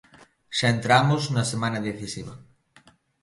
Xa entramos na semana decisiva.